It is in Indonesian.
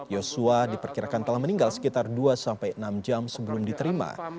yosua diperkirakan telah meninggal sekitar dua sampai enam jam sebelum diterima